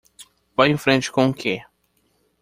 Vá em frente com o que?